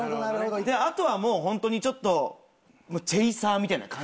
であとはもうホントにちょっとチェイサーみたいな感じです。